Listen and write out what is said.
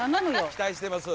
期待してます。